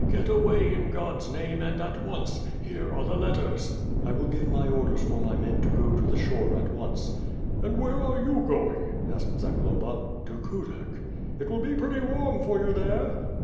Get away in God's name, and at once. Here are the letters." "I will give my orders for my men to go to the shore at once." "And where are you going?" asked Zagloba. "To Kudak." "It will be pretty warm for you there."